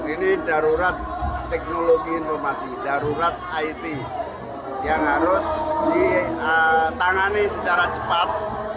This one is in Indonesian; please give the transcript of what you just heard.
ini darurat teknologi informasi darurat it yang harus ditangani secara cepat